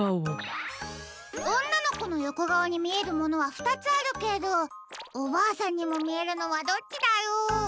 おんなのこのよこがおにみえるものはふたつあるけどおばあさんにもみえるのはどっちだろう？